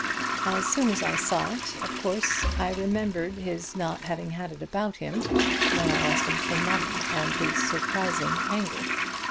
As soon as I saw it, of course, I remembered his not having had it about him when I asked for money, and his surprising anger.